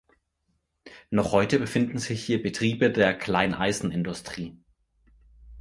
Noch heute befinden sich hier Betriebe der Kleineisenindustrie.